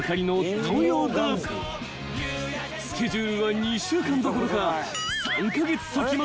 ［スケジュールは２週間どころか］